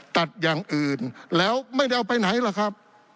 ตัดอย่างอื่นแล้วไม่ได้เอาไปไหนล่ะครับ